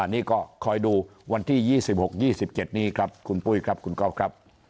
นี่ก็คอยดูวันที่๒๖๒๗นี้ครับคุณปุ้ยครับคุณก๊อฟครับ